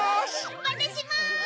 わたしも！